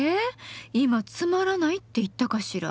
今「つまらない」って言ったかしら？